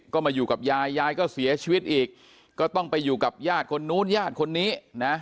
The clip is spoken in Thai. ก็มาอยู่กับยายยายก็เสียชีวิตอีกก็ต้องไปอยู่กับญาติคนนู้นญาติคนนี้นะ